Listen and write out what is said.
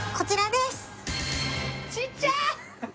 ちっちゃ！